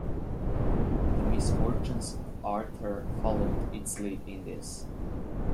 "The Misfortunes of Arthur"-followed its lead in this.